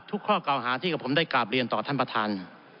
ข้อเก่าหาที่กับผมได้กราบเรียนต่อท่านประธาน